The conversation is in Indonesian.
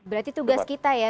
berarti tugas kita ya